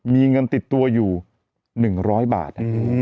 มีเงินติดตัวอยู่หนึ่งร้อยบาท